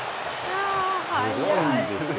すごいですよ。